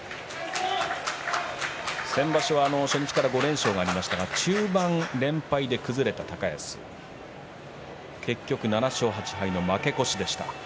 先場所は初日から５連勝がありましたが中盤、連敗で崩れた高安結局７勝８敗の高安です。